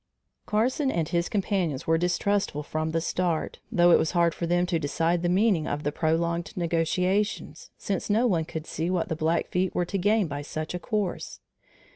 Carson and his companions were distrustful from the start, though it was hard for them to decide the meaning of the prolonged negotiations, since no one could see what the Blackfeet were to gain by such a course.